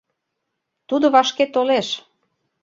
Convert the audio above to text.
Тудо вашке толеш.